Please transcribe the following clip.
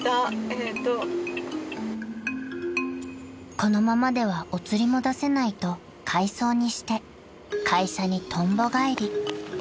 ［このままではお釣りも出せないと回送にして会社にとんぼ返り］